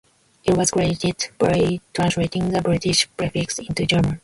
It was created by translating the British prefix into German.